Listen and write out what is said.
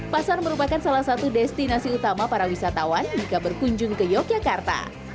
pasar merupakan salah satu destinasi utama para wisatawan jika berkunjung ke yogyakarta